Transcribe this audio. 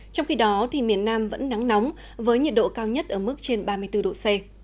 trong khi đó miền nam vẫn nắng nóng với nhiệt độ cao nhất ở mức trên ba mươi bốn độ c